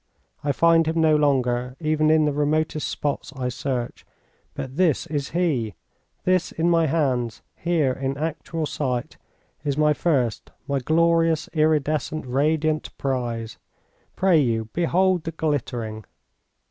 I find him no longer, even in the remotest spots I search.... But this is he! This, in my hands, here in actual sight, is my first, my glorious, iridescent, radiant prize! Pray you, behold the glittering!